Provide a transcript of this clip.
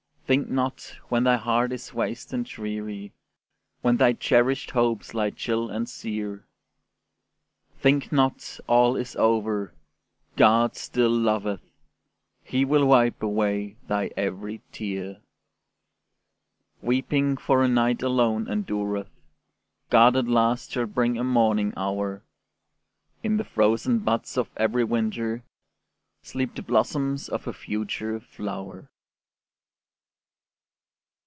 Think not, when thy heart is waste and dreary, When thy cherished hopes lie chill and sere, Think not all is over: God still loveth, He will wipe away thy every tear. Weeping for a night alone endureth, God at last shall bring a morning hour; In the frozen buds of every winter Sleep the blossoms of a future flower.